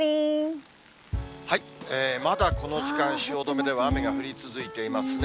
まだこの時間、汐留では雨が降り続いていますね。